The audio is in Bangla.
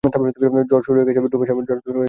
ঝড় শুরু হয়ে গেছে, ডুবে সাহেব।